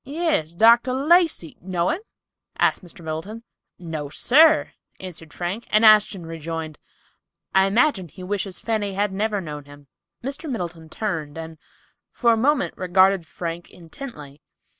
"Yes, Dr. Lacey; know him?" asked Mr. Middleton. "No, sir," answered Frank, and Ashton rejoined, "I imagine he wishes Fanny had never known him." Mr. Middleton turned, and for a moment regarded Frank intently.